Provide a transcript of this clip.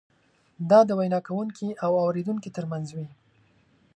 دا د وینا کوونکي او اورېدونکي ترمنځ وي.